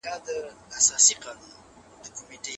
لا دې په سترگو کې يو څو دانې باڼه پاتې دي